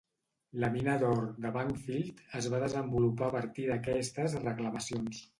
La mina d'or de Bankfield es va desenvolupar a partir d'aquestes reclamacions.